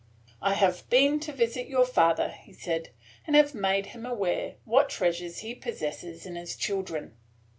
"I have been to visit your father," he said, "and have made him aware what treasures he possesses in his children."